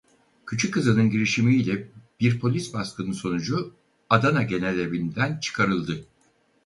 Küçük kızının girişimi ile bir polis baskını sonucu Adana genelevinden çıkarıldı.